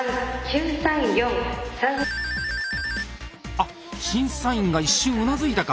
あっ審査員が一瞬うなずいたか。